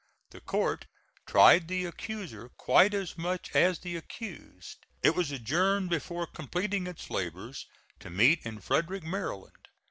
The court tried the accuser quite as much as the accused. It was adjourned before completing its labors, to meet in Frederick, Maryland.